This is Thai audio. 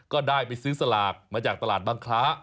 ก็ได้ไปซื้อสลากมาจากตลาดบางคล้า